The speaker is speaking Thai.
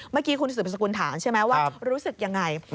เมื่อกี้คุณสุดประสบคุณฐานใช่ไหมว่ารู้สึกอย่างไร